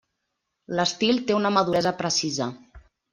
L'estil té una maduresa precisa.